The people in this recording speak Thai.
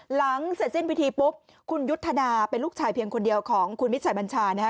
หลังเสร็จสิ้นพิธีปุ๊บคุณยุทธนาเป็นลูกชายเพียงคนเดียวของคุณมิชัยบัญชานะฮะ